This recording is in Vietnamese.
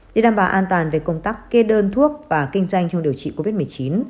để đảm bảo an toàn về công tác kê đơn thuốc và kinh doanh trong điều trị covid một mươi chín